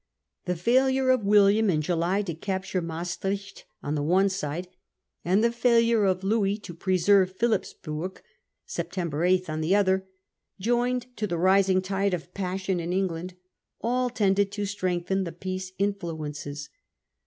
The failure of William in July to capture Maestricht on the one side, and the failure of Louis to preserve Philippsburg (September 8) on the other, joined to the rising tide of passion in England, all tended to strengthen the peace influences.